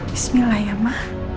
bismillah ya ma